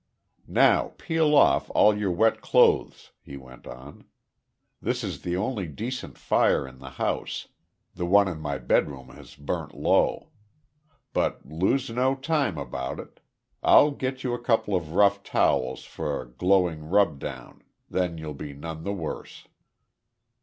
"Now, peel off all your wet clothes," he went on. "This is the only decent fire in the house the one in my bedroom has burnt low. But lose no time about it. I'll get you a couple of rough towels for a glowing rub down then you'll be none the worse."